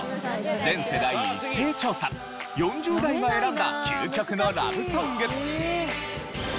全世代一斉調査４０代が選んだ究極のラブソング。